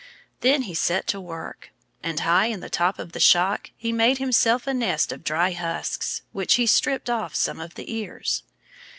Then he set to work. And high in the top of the shock he made himself a nest of dry husks, which he stripped off some of the ears.